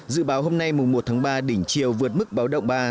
dự báo hôm nay một tháng ba đỉnh chiều vượt mức báo động ba